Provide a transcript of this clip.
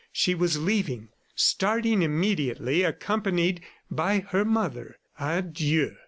She was leaving, starting immediately, accompanied by her mother. Adieu!